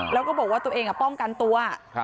แล้วก็บอกว่าตัวเองป้องกันตัว